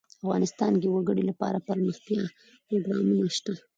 افغانستان کې د وګړي لپاره دپرمختیا پروګرامونه شته.